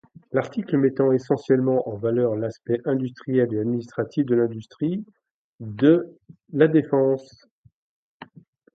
L'article mettant essentiellement en valeur l'aspect industriel et administratif de l'industrie de la défense.